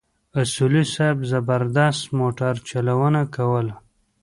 اصولي صیب زبردسته موټرچلونه کوله.